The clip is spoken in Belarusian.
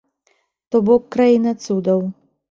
То бок краіна цудаў.